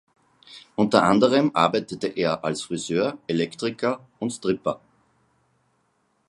Unter anderem arbeitete er als Friseur, Elektriker und Stripper.